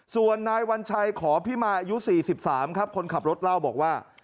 ส่วนนายวัญชัยขอพิมาอายุ๔๓ครับคนขับรถเล่าบอกว่า